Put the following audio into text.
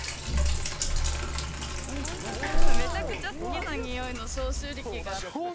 めちゃくちゃ好きな匂いの消臭力があって。